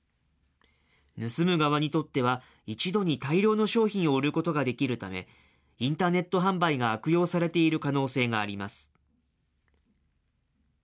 盗む側にとっては、一度に大量の商品を売ることができるため、インターネット販売が悪用されている可能性があります。